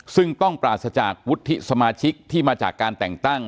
ซึ่งต้องปราศจากวุฒิสมาชิกที่มาจากการแต่งตั้ง